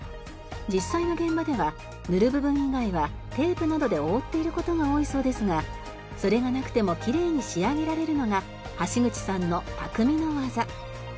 実際の現場では塗る部分以外はテープなどで覆っている事が多いそうですがそれがなくてもきれいに仕上げられるのが橋口さんの匠の技。